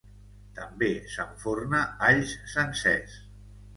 També s'enforna alls sencers.